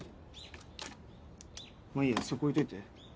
まぁいいやそこ置いといて。